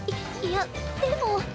いいやでも。